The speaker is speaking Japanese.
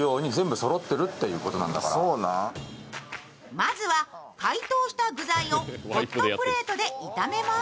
まずは解凍した部材をホットプレートで炒めます。